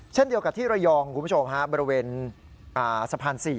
เช่นเดียวกับที่ระยองคุณผู้ชมฮะบริเวณสะพาน๔